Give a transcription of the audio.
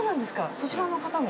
そちらの方も？